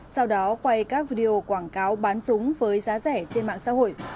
sau đó quay các video quảng cáo bán súng với giá rẻ trên mạng xã hội